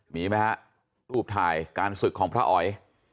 มีไหมฮะรูปถ่ายการศึกของพระอ๋อย